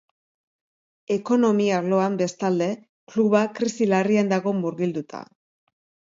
Ekonomi arloan, bestalde, kluba krisi larrian dago murgilduta.